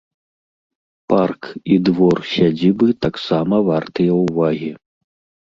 Парк і двор сядзібы таксама вартыя ўвагі.